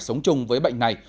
sống chung với bệnh này